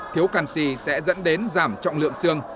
thiếu canxi sẽ dẫn đến giảm trọng lượng xương